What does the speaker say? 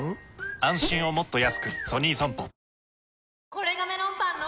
これがメロンパンの！